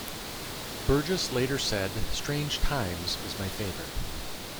Burgess later said, "Strange Times" is my favourite.